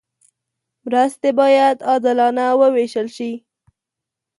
مرستې باید عادلانه وویشل شي.